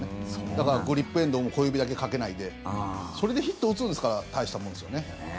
だからグリップエンドも小指だけかけないでそれでヒット打つんですから大したものですよね。